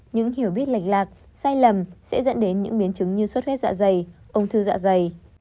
những hiểu biết lệch lạc sai lầm sẽ dẫn đến những biến chứng như sốt huyết dạ dày ung thư dạ dày